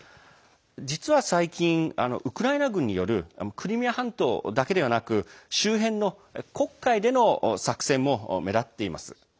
実は最近、ウクライナ軍によるクリミア半島だけではなく周辺の黒海での作戦も目立っています。